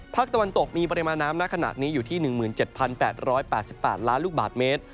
ตะวันตกมีปริมาณน้ำณขณะนี้อยู่ที่๑๗๘๘ล้านลูกบาทเมตร